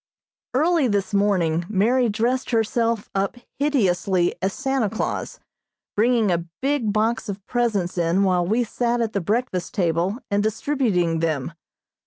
Early this morning Mary dressed herself up hideously as Santa Claus, bringing a big box of presents in while we sat at the breakfast table and distributing them.